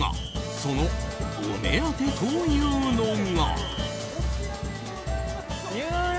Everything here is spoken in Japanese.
そのお目当てというのが。